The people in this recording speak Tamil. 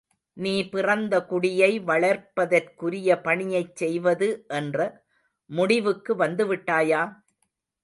நீ பிறந்த குடியை வளர்ப்பதற்குரிய பணியைச் செய்வது என்ற முடிவுக்கு வந்துவிட்டாயா?